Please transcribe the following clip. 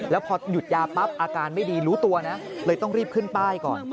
แล้วพอหยุดยาปั๊บอาการไม่ดีรู้ตัวนะเลยต้องรีบขึ้นป้ายก่อน